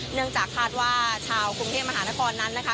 เนื่องจากคาดว่าชาวกรุงเทพมหานครนั้นนะคะ